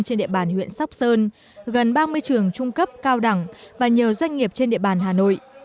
trên địa bàn huyện sóc sơn gần ba mươi trường trung cấp cao đẳng và nhiều doanh nghiệp trên địa bàn hà nội